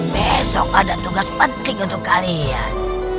besok ada tugas penting untuk kalian